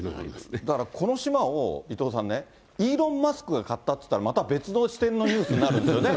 だから、この島を伊藤さんね、イーロン・マスクが買ったっていったら、また別の視点のニュースになるんですよね。